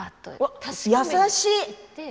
優しい。